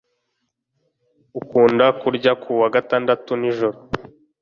Akunda kurya ku wa gatandatu nijoro.